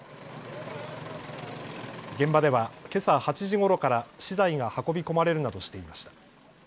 現場ではけさ８時ごろから資材が運び込まれるなどしていました。